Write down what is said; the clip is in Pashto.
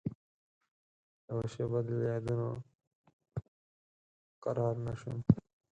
یوه شېبه دي له یادونوپه قرارنه شومه